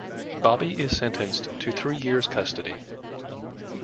Bobby is sentenced to three years custody.